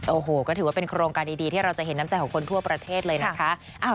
โอ้โหก็ถือว่าเป็นโครงการดีที่เราจะเห็นน้ำใจของคนทั่วประเทศเลยนะคะ